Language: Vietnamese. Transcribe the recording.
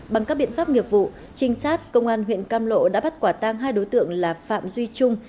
bằng các biện pháp nghiệp vụ trinh sát công an huyện cam lộ đã bắt quả tang hai đối tượng là phạm duy trung